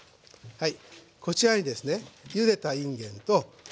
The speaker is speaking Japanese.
はい。